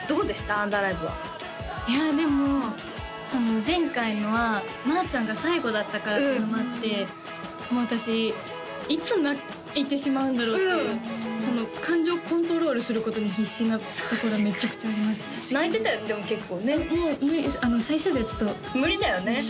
アンダーライブはいやでも前回のはまあちゃんが最後だったからっていうのもあってもう私いつ泣いてしまうんだろうっていう感情をコントロールすることに必死なとこがめちゃくちゃありました泣いてたよねでも結構ねもう無理でした最終日はちょっと無理だよね